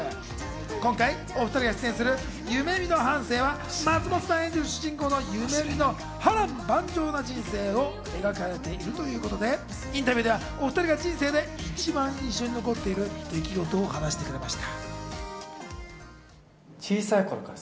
今回お２人が出演する『ユメミの半生』は松本さん演じる主人公・ユメミの波乱万丈な人生が描かれているということでインタビューではお２人が人生で一番印象に残っている出来事を話してくれました。